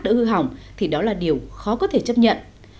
đỡ hư hỏng thì đó là điều khó có thể chấp nhận